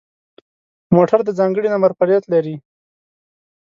موټر د ځانگړي نمبر پلیت لري.